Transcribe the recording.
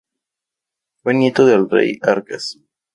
Fue nieto del rey Arcas.